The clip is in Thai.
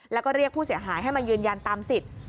แล้วก็เรียกผู้เสียหายให้มายืนยันตามสิทธิ์